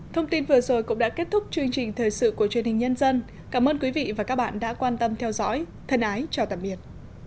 thông tin vừa rồi cũng đã kết thúc chương trình thời sự của truyền hình nhân dân cảm ơn quý vị và các bạn đã quan tâm theo dõi thân ái chào tạm biệt